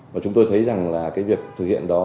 và chúng tôi thấy rằng việc thực hiện đó